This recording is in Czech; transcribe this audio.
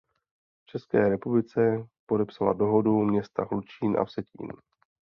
V České republice podepsala dohodu města Hlučín a Vsetín.